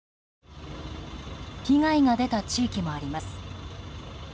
被害が出た地域もあります。